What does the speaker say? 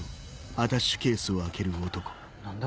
・何だ？